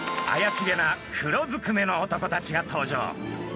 あやしげな黒ずくめの男たちが登場。